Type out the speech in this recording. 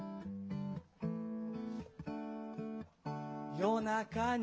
「夜中に」